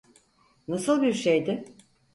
Nasıl bir şeydi?